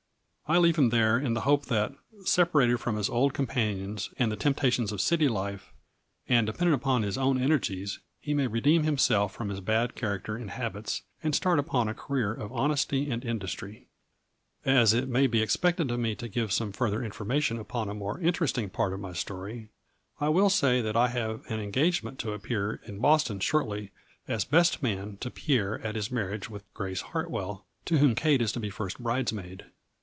I leave him there in the hope that, separated from his old companions and the temptations of city life, and dependent upon his own energies he may re deem himself from his bad character and habits, A FLURRY IN DIAMONDS. 22l and start upon a career of honesty and in dustry. As it may be expected of me to give some further information upon a more interesting part of my story, I will say that I have an en gagement to appear in Boston shortly as best man to Pierre at his marriage with Grace Hart well, to whom Kate is to be first bridesmaid.